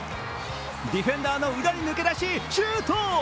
ディフェンダーの裏に抜け出しシュート！